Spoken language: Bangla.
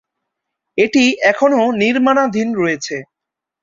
এটি এখনও নির্মাণাধীন রয়েছে।